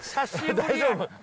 大丈夫？